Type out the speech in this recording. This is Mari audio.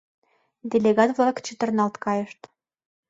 Делегат-влак чытырналт кайышт.